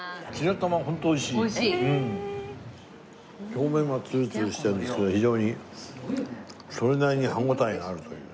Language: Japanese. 表面はツルツルしてるんですけど非常にそれなりに歯応えがあるという。